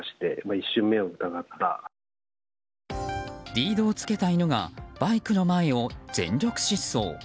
リードをつけた犬がバイクの前を全力疾走。